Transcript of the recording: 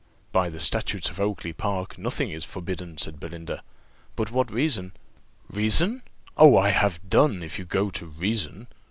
"By the statutes of Oakly park nothing is forbidden," said Belinda, "but what reason " "Reason! Oh, I have done if you go to reason!